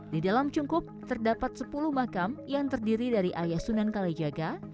di dalam cungkup terdapat sepuluh makam yang terdiri dari ayah sunan kalijaga